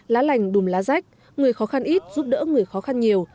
lá lành đùm lá rách người khó khăn ít giúp đỡ người khó khăn nhiều